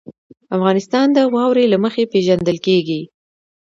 افغانستان د واوره له مخې پېژندل کېږي.